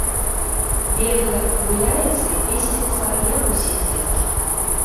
Бегае, гуляецца і песціцца, як усе дзеткі.